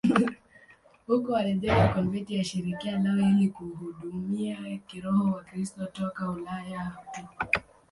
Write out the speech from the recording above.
Huko walijenga konventi ya shirika lao ili kuhudumia kiroho Wakristo toka Ulaya tu.